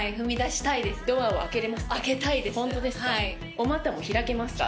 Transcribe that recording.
お股も開けますか？